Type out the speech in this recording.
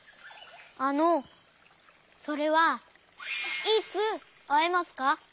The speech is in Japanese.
あのそれはいつあえますか？